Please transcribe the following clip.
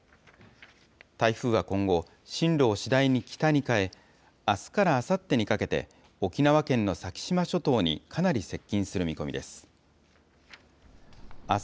台風は今後、進路を次第に北に変え、あすからあさってにかけて、沖縄県の先島諸島にかなり接近する見込みです。